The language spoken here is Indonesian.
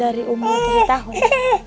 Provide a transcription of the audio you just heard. dari umur tiga tahun